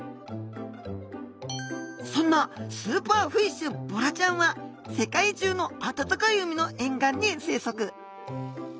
そんなスーパーフィッシュボラちゃんは世界中の暖かい海の沿岸に生息。